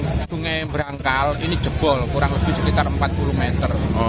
sungai yang berangkal ini jebol kurang lebih sekitar empat puluh meter